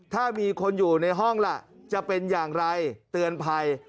ถ้ามีคนอยู่ในห้องล่ะจะเป็นอย่างไรเตือนภัย